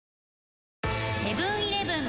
セブン−イレブン